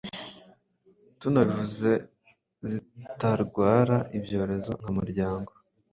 tunazivuze zitadwara ibyorezo nka muryamo,